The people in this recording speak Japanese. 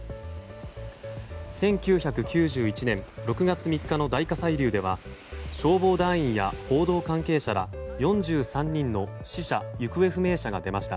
１９９１年６月３日の大火砕流では消防団員や報道関係者ら４３人の死者・行方不明者が出ました。